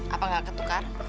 apa gak ketukar